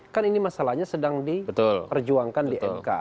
kan ini masalahnya sedang diperjuangkan di mk